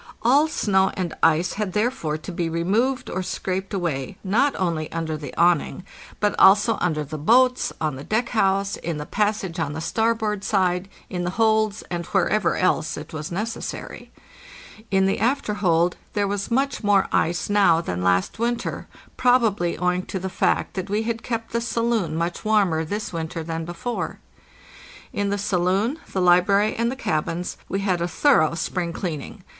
All snow and ice had therefore to be re moved or scraped away not only under the awning but also under 624 APPENDIX the boats, on the deck house, in the passage on the starboard side, in the holds, and wherever else it was necessary. In the after hold there was much more ice now than last winter, proba bly owing to the fact that we had kept the saloon much warmer this winter than before. In the saloon, the library, and the cabins we had a thorough "spring cleaning.""